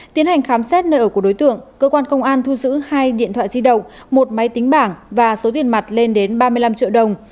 tiến hành khám xét nơi ở của đối tượng cơ quan công an thu giữ hai điện thoại di động một máy tính bảng và số tiền mặt lên đến ba mươi năm triệu đồng